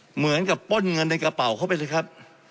เหมือนกับป้นเงินในกระเป๋าเข้าไปเลยครับ